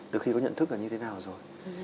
từ khi có nhận thức là như thế nào rồi